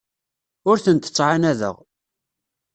Ur tent-ttɛanadeɣ.